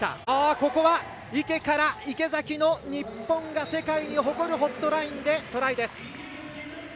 ここは池から池崎の日本が世界に誇るホットラインでトライです。